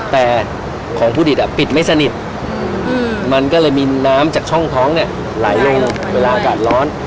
แต่ของผู้ดิตปิดไม่สนิทมันก็เลยมีน้ำจากช่องท้องเนี่ยไหลลงเวลาอากาศร้อน